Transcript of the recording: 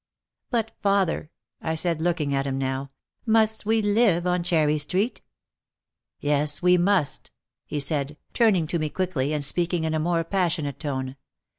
"But, father," I said, looking at him now, "must we live on Cherry Street?" "Yes, we must," he said, turning to me quickly and speaking in a more passionate tone.